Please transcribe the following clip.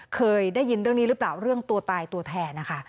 เคยได้ยินเรื่องนี้หรือเปล่าเรื่องตัวตายตัวแทนนะคะ